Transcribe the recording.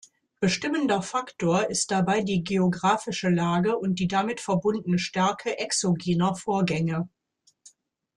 Bestimmender Faktor ist dabei die geografische Lage und die damit verbundene Stärke exogener Vorgänge.